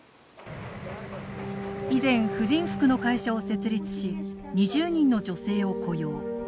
以前婦人服の会社を設立し２０人の女性を雇用。